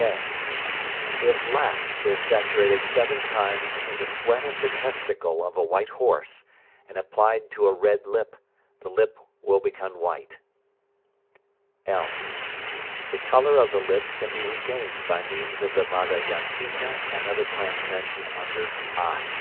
(k) If lac is saturated seven times in the sweat of the testicle of a white horse, and applied to a red lip, the lip will become white. (l). The colour of the lips can be regained by means of the madayantika and other plants mentioned above under (i).